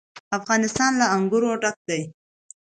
افغانستان له انګور ډک دی.